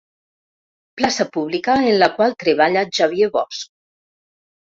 Plaça pública en la qual treballa Xavier Bosch.